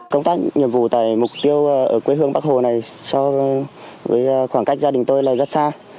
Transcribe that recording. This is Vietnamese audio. công tác nhiệm vụ tại mục tiêu ở quê hương bắc hồ này so với khoảng cách gia đình tôi là rất xa